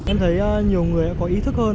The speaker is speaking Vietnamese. em thấy nhiều người đã có ý thức hơn